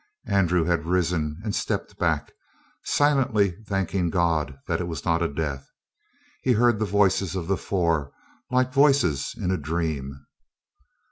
Andrew had risen and stepped back, silently thanking God that it was not a death. He heard the voices of the four like voices in a dream.